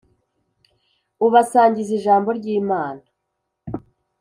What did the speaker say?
Ubasangiza ijambo ryimana